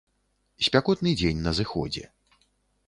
Спякотны дзень на зыходзе.